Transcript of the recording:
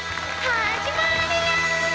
始まるよ！